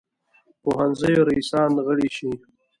پوهنځیو رییسان غړي شي.